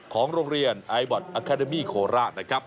ของโรงเรียนไอบอทอาคาเดมี่โคราชนะครับ